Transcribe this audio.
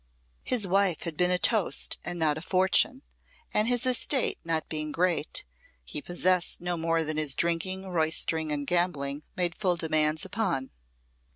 His wife had been a toast and not a fortune, and his estate not being great, he possessed no more than his drinking, roystering, and gambling made full demands upon.